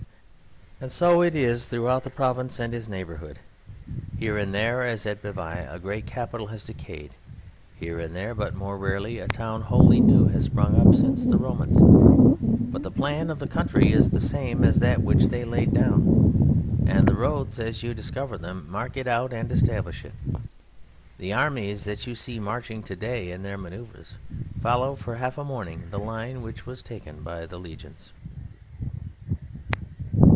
And so it is throughout the province and its neighbourhood. Here and there, as at Bavai, a great capital has decayed. Here and there (but more rarely), a town wholly new has sprung up since the Romans, but the plan of the country is the same as that which they laid down, and the roads as you discover them, mark it out and establish it. The armies that you see marching to day in their manoeuvres follow for half a morning the line which was taken by the Legions.